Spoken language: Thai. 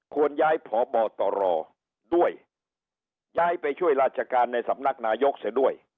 ควรย้ายพบตรด้วยย้ายไปช่วยราชการในสำนักนายกเสียด้วย